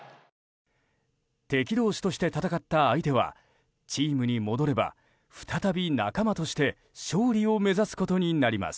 敵同士として戦った相手はチームに戻れば再び仲間として勝利を目指すことになります。